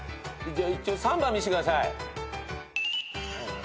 一応３番見してください。